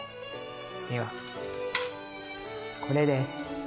ではこれです。